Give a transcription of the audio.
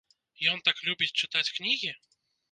Ён так любіць чытаць кнігі?